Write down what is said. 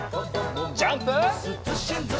ジャンプ！